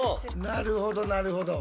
なるほどなるほど。